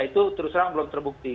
itu terus terang belum terbukti